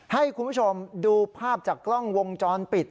ให้คุณผู้ชมดูภาพจากกล้องวงจรปิด